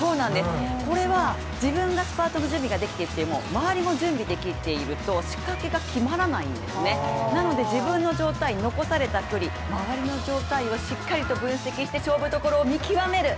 これは自分がスパートの準備ができている、周りも準備ができていると仕掛けが決まらないんですねなので、自分の状態と周りの状態をしっかりと分析して勝負どころを見極める。